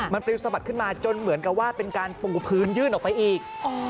มันปลิวสะบัดขึ้นมาจนเหมือนกับว่าเป็นการปูพื้นยื่นออกไปอีก